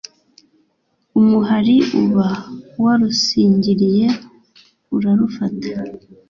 umuhari uba warusingiriye urarufata